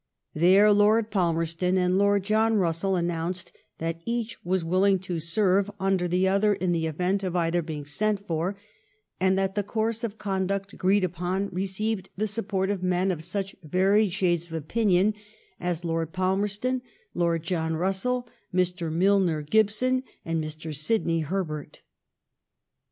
There Lord Palmerston and Lord John Bussell announced that eaoh was willing to serve under the other in the event of either being sent for, and the course of conduct agreed upon received the support of men of such varied shades of opinion as Lord Palmerston, Lord John Bussell^ Mr. Mi]ner Oibson, and Mr. Sidney Herbert.